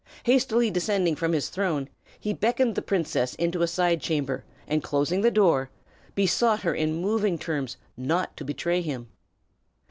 Hastily descending from his throne, he beckoned he princess into a side chamber, and closing the door, besought her in moving terms not to betray him.